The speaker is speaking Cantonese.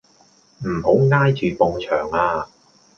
唔好挨住埲牆啊